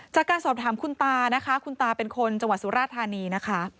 จากการสอบถามคุณตานะคะคุณตาเป็นคนจังหวัดสุราธานีนะคะ